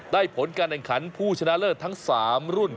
ผลการแข่งขันผู้ชนะเลิศทั้ง๓รุ่น